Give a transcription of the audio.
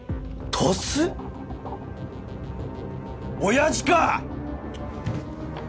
親父か⁉